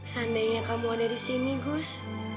seandainya kamu ada di sini gus